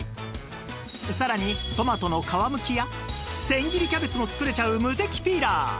さらにトマトの皮むきや千切りキャベツも作れちゃうムテキピーラー